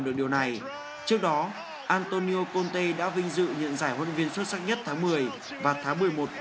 với thành công của ibrahimovic